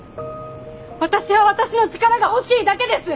私は私の力が欲しいだけです！